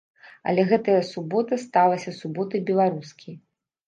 Але гэтая субота сталася суботай беларускі.